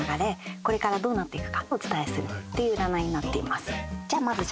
これからどうなっていくかをお伝えするっていう占いになっています。